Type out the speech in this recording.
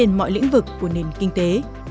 nên mọi lĩnh vực của nền kinh tế